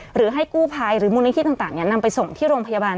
หรือให้กู้ภัยหรือมูลนิธิต่างนำไปส่งที่โรงพยาบาล